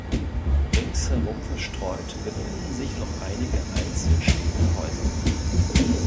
Ringsherum verstreut befinden sich noch einige einzeln stehende Häuser.